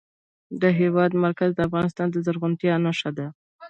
د هېواد مرکز د افغانستان د زرغونتیا نښه ده.